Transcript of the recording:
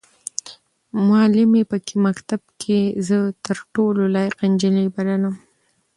معلمې به په مکتب کې زه تر ټولو لایقه نجلۍ بللم.